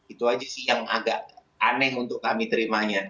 itu aja sih yang agak aneh untuk kami terimanya